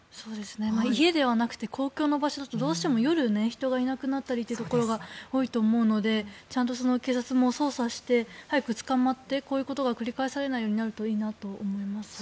家ではなくて公共の場所だと、どうしても夜人がいなくなったりというところが多いと思うのでちゃんと警察も捜査して早く捕まってこういうことが繰り返されなくなるといいなと思います。